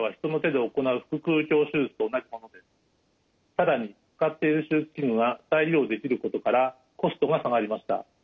実は更に使っている手術器具は再利用できることからコストが下がりました。